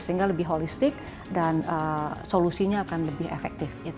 sehingga lebih holistik dan solusinya akan lebih efektif